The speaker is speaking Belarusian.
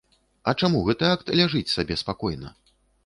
А чаму гэты акт ляжыць сабе спакойна?